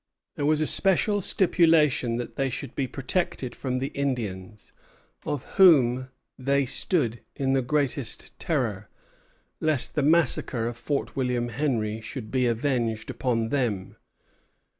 There was a special stipulation that they should be protected from the Indians, of whom they stood in the greatest terror, lest the massacre of Fort William Henry should be avenged upon them.